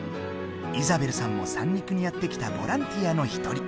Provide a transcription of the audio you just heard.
イザベルさんも三陸にやって来たボランティアの一人。